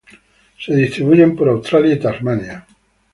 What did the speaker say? Se distribuyen por Australia y Tasmania.